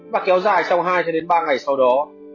và kéo dài trong hai ba ngày sau đó